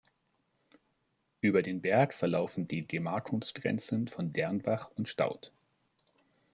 Über den Berg verlaufen die Gemarkungsgrenzen von Dernbach und Staudt.